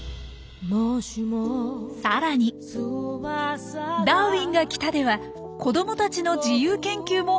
さらに「ダーウィンが来た！」では子どもたちの自由研究もお助けします。